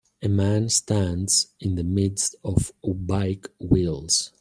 A man stands in the midst of bike wheels.